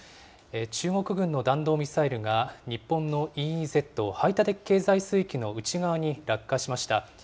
中国軍の弾道ミサイルが日本のＥＥＺ・排他的経済水域の内側に落下しました。